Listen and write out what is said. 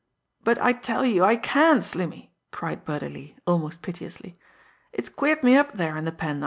"But, I tell you, I can't, Slimmy!" cried Birdie Lee, almost piteously. "It's queered me up there in the pen.